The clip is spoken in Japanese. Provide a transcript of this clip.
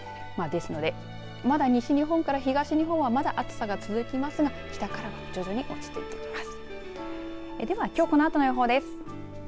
ですのでまだ西日本から東日本はまだ暑さが続きますが北から徐々に落ちていきます。